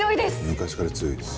昔から強いです。